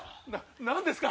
何ですか？